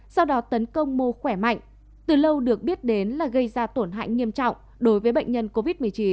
sau đó tấn công mô khỏe mạnh từ lâu được biết đến là gây ra tổn hại nghiêm trọng đối với bệnh nhân covid một mươi chín